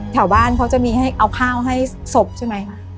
แถวบ้านเขาจะมีให้เอาข้าวให้ศพใช่ไหม